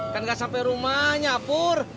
kan nggak sampai rumahnya pur